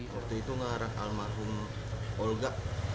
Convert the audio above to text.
waktu itu ngarang almarhum olga